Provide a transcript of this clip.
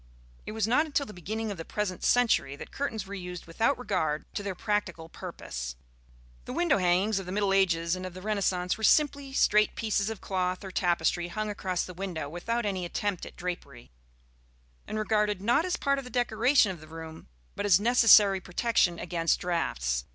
It was not until the beginning of the present century that curtains were used without regard to their practical purpose. The window hangings of the middle ages and of the Renaissance were simply straight pieces of cloth or tapestry hung across the window without any attempt at drapery, and regarded not as part of the decoration of the room, but as a necessary protection against draughts.